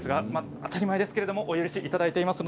当たり前ですけどお許しいただいています。